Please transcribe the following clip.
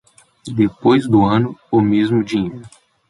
Depois do ano, o mesmo dinheiro.